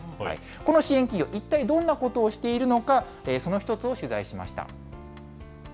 この支援企業、一体どんなことをしているのか、その一つを取材しました。